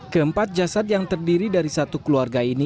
keempat jasad yang terdiri dari satu keluarga ini